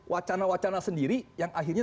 wacana wacana sendiri yang akhirnya